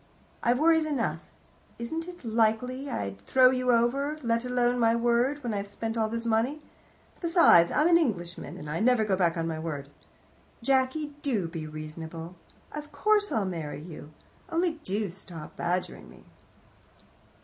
I've worries enough. It isn't likely I'd throw you over, let alone my word, when I've spent all this money. Besides, I'm an Englishman, and I never go back on my word. Jacky, do be reasonable. Of course I'll marry you. Only do stop badgering me."